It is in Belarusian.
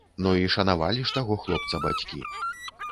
Ну і шанавалі ж таго хлопца бацькі.